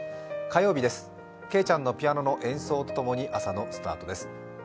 火曜日です、けいちゃんのピアノの演奏と共に朝のスタートです。